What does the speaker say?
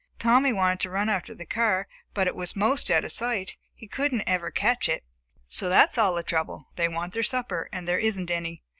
Tommy wanted to run after the car, but it was 'most out of sight. He couldn't ever catch it." "So that's all the trouble. They want their supper, and there isn't any.